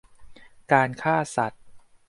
การฆ่าสัตว์